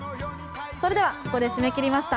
それではここで締め切りました。